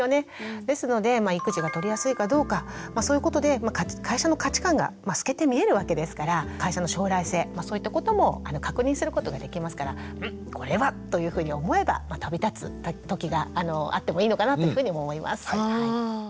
ですので育児が取りやすいかどうかそういうことで会社の価値観が透けて見えるわけですから会社の将来性そういったことも確認することができますからんこれは？というふうに思えば旅立つ時があってもいいのかなというふうにも思います。